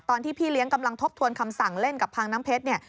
ตอนที่พี่เลี้ยงกำลังทบทวนคำสั่งเล่นกับพังน้ำเพชร